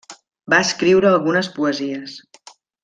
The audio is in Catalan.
Va escriure algunes poesies.